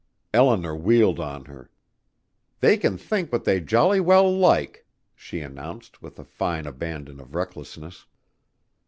Eleanor wheeled on her. "They can think what they jolly well like," she announced with a fine abandon of recklessness.